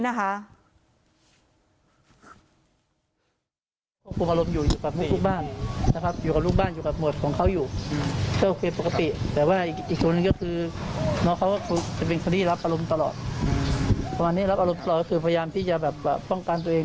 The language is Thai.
น้องเขาก็จะเป็นคนที่รับอารมณ์ตลอดประมาณนี้รับอารมณ์ตลอดก็คือพยายามที่จะป้องกันตัวเอง